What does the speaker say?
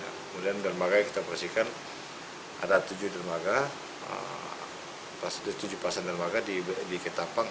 kemudian dermaga yang kita perhatikan ada tujuh pasang dermaga di ketapang